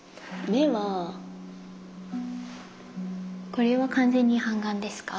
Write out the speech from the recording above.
目はこれは完全に半眼ですか？